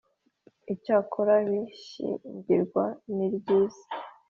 Icyakora ishyingirwa ni ryiza